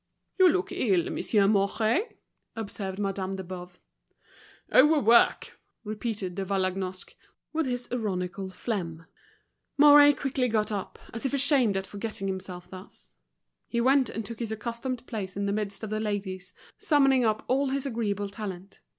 "You look ill, Monsieur Mouret," observed Madame de Boves. "Overwork!" repeated De Vallagnosc, with his ironical phlegm. Mouret quickly got up, as if ashamed at forgetting himself thus. He went and took his accustomed place in the midst of the ladies, summoning up all his agreeable talent.